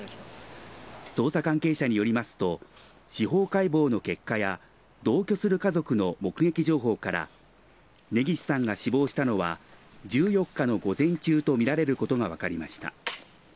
捜査関係者によりますと司法解剖の結果や同居する家族の目撃情報から根岸さんが死亡したのは１４日の午前中とみられることがわかりました。